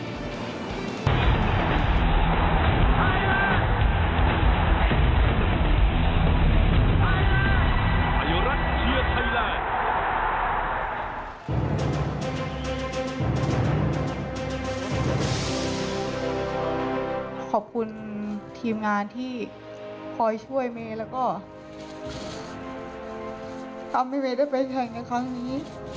ขอบคุณทีมงานที่คอยช่วยเมย์แล้วก็ทำให้เมย์ได้ไปแข่งในครั้งนี้